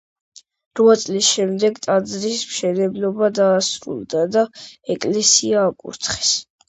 რვა წლის შემდეგ ტაძრის მშენებლობა დასრულდა და ეკლესია აკურთხეს.